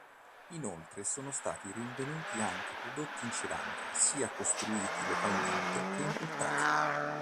Inoltre sono stati rinvenuti anche prodotti in ceramica sia costruiti localmente che importati.